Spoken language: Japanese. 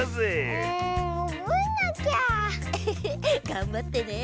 がんばってね。